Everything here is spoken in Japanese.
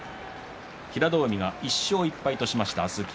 平戸海が１勝１敗としました。